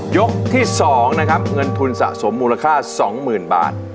ยกที่สองนะครับเงินทุนสะสมมูลค่าสองหมื่นบาท